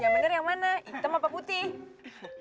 yang bener yang mana item apa putih